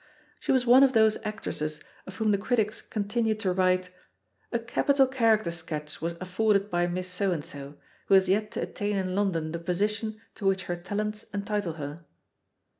She was one of those actresses of whom the critics continue to write, "A capital character sketch was af forded by Miss So and so, who has yet to attain in London the position to which her talents en title her."